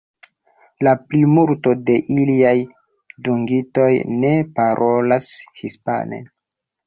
La plimulto de iliaj dungitoj ne parolas hispane.